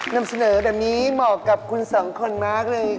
นำเสนอเดี๋ยวนี้เหมาะกับคุณสองคนมากเลย